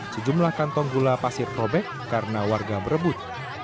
sejumlah kantong gula pasir robek karena warga berebut